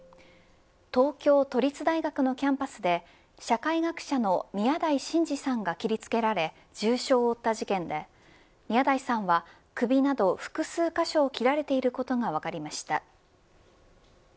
東京都立大学のキャンパスで社会学者の宮台真司さんが切りつけられ重傷を負った事件で宮台さんは首など複数箇所を切られていることが分かりました。